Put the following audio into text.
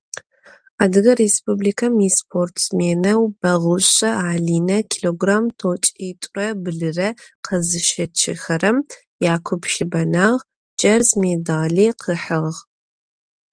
Адыгэ Республикэм испортсменэу Бэгъушъэ Алинэ килограмм тӀокӀитӀурэ блырэ къэзыщэчыхэрэм якуп щыбэнагъ, джэрз медали къыхьыгъ.